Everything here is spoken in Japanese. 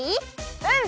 うん！